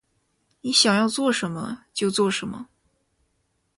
你想要做什么？就做什么